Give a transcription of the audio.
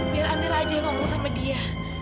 biar amira aja yang ngomong sama dia